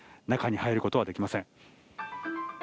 中に入ることはできません。